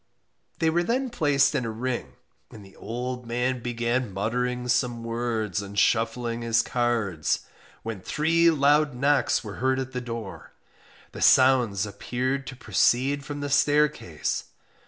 They were then placed in a ring, and the old man began muttering some words and shuffling his cards, when three loud knocks were heard at the door. The sounds appeared to proceed from the staircase.